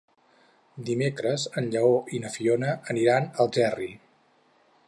Dimecres en Lleó i na Fiona aniran a Algerri.